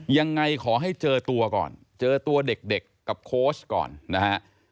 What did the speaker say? ยังไงขอให้เจอตัวก่อนเจอตัวเด็กกับโค้ชก่อนนะฮะ